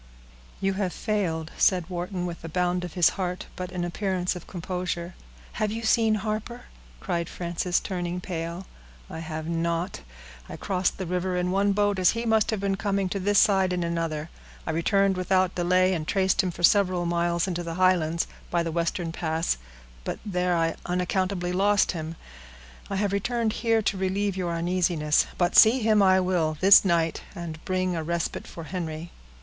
"You have failed," said Wharton, with a bound of his heart, but an appearance of composure. "Have you seen Harper?" cried Frances, turning pale. "I have not. I crossed the river in one boat as he must have been coming to this side, in another. I returned without delay, and traced him for several miles into the Highlands, by the western pass, but there I unaccountably lost him. I have returned here to relieve your uneasiness, but see him I will this night, and bring a respite for Henry."